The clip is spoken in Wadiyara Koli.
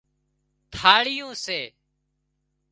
ٿاۯيون سي